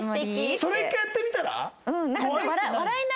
それ一回やってみたら？